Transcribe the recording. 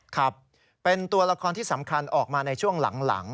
ครับเป็นตัวละครที่สำคัญออกมาในช่วงหลัง